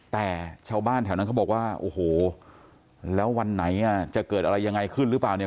แต่ชาวบ้านแถวนั้นเขาบอกว่าโอ้โหแล้ววันไหนอ่ะจะเกิดอะไรยังไงขึ้นหรือเปล่าเนี่ย